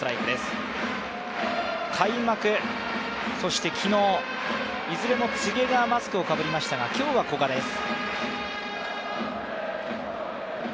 開幕、そして昨日、いずれも柘植がマスクをかぶりましたが、今日は古賀です。